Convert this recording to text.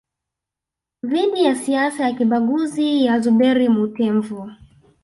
dhidi ya siasa za kibaguzi za Zuberi Mtemvu